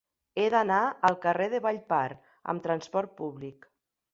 He d'anar al carrer de Vallpar amb trasport públic.